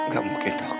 gak mungkin dok